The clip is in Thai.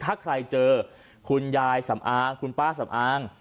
ถ้าใครเจอคุณยายสำอางคุณป้าสำอาง